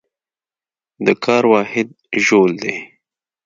د کار واحد جول دی.